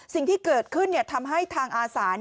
สิ่งที่เกิดขึ้นทำให้ทางอาสา